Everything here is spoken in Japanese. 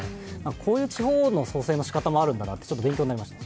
こういう地方の創生のしかたもあるんだなと勉強になりました。